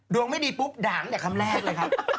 ดวงไม่ดีปุ๊บด่างได้คำแรกเลยครับ